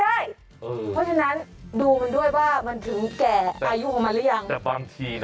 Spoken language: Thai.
เพราะฉะนั้นดูด้วยว่ามันถึงแก่อายุของมันหรือยัง